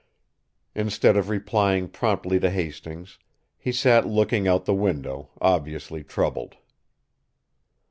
Instead of replying promptly to Hastings, he sat looking out of the window, obviously troubled.